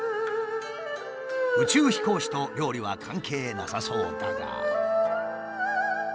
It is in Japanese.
宇宙飛行士と料理は関係なさそうだが。